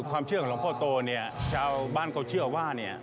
ความเชื่อของหลวงพ่อโตชาวบ้านเขาเชื่อว่า